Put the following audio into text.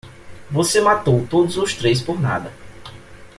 Você matou todos os três por nada.